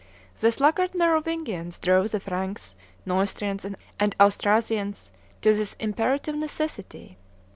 The sluggard Merovingians drove the Franks, Neustrians, and Austrasians to this imperative necessity.